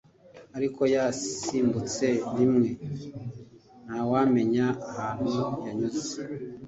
ariko ya simbutse rimwe ntawamenye ahantu yanyuze